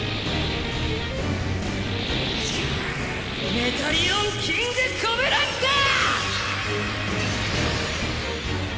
メタリオン・キングコブラスター！